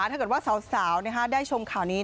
ถ้าเกิดว่าสาวได้ชมข่าวนี้